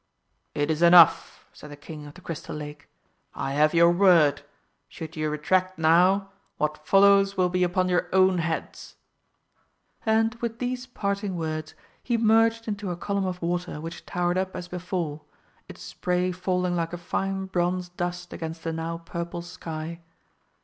"It is enough," said the King of the Crystal Lake, "I have your word. Should ye retract now, what follows will be upon your own heads!" And, with these parting words, he merged into a column of water which towered up as before, its spray falling like fine bronze dust against the now purple sky.